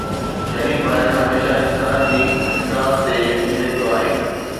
شريف ڀائرن هميشه اقتدار جي ارتکاز تي يقين رکيو آهي.